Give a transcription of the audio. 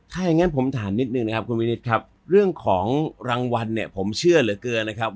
ถ้าอย่างนั้นผมถามนิดนึงนะครับคุณวินิตครับเรื่องของรางวัลเนี่ยผมเชื่อเหลือเกินนะครับ